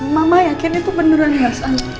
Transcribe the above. mama yakin itu beneran mas al